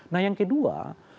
nah yang kedua